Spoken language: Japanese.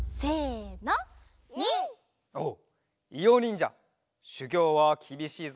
おっいおにんじゃしゅぎょうはきびしいぞ。